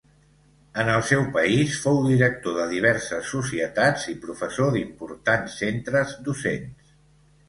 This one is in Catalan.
En el seu país fou director de diverses societats i professor d'importants centres docents.